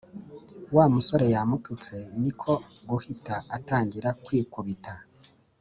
wamusore yamututse niko guhata atangira kwikubita